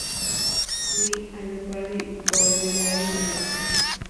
Lee a Leopardi, Baudelaire, Nietzsche.